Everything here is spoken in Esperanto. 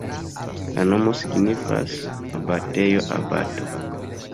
La nomo signifas: abatejo-abato.